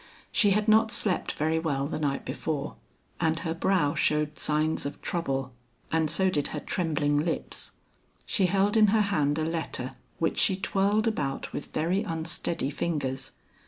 She had not slept very well the night before, and her brow showed signs of trouble and so did her trembling lips. She held in her hand a letter which she twirled about with very unsteady fingers.